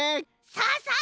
さあさあ